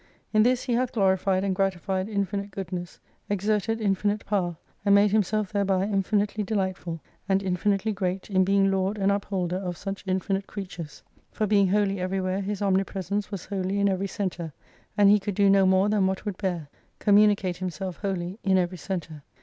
In this He hath glorified and gratified infinite goodness ; exerted infinite power : and made Himself thereby infinitely delightful, and infinitely great, in being Lord and Upholder of such infinite creatures. For being wholly everywhere. His omni presence was wholly in every centre : and He could do no more than that would bear : Communicate Himself wholly in every centre.